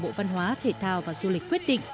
bộ văn hóa thể thao và du lịch quyết định